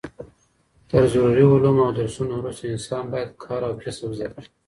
تر ضروري علومو او درسونو وروسته انسان بايد کار او کسب زده کړي